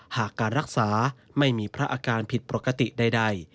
หากการรักษาไม่มีพระอาการผิดปกติใด